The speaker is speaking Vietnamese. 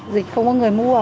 dịch không có người mua